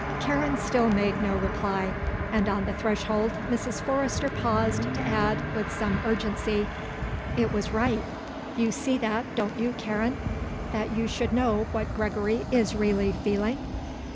Karen still made no reply and on the threshold Mrs. Forrester paused to add, with some urgency: "It was right, you see that, don't you, Karen, that you should know what Gregory is really feeling?"